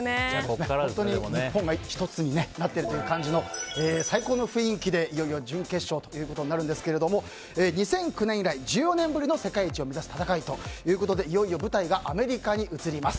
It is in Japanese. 日本が１つになっている感じの最高の雰囲気でいよいよ準決勝となるんですが２００９年以来１４年ぶりの世界一を目指す戦いということでいよいよ舞台がアメリカに移ります。